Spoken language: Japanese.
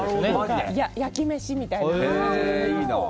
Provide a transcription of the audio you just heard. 焼き飯みたいな。